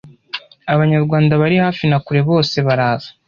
abanyarwanda bari hafi na kure bose baraza